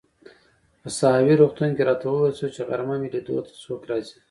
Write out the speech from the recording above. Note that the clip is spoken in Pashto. په ساحوي روغتون کې راته وویل شول چي غرمه مې لیدو ته څوک راځي.